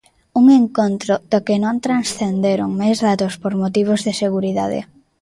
Un encontro do que non transcenderon máis datos por motivos de seguridade.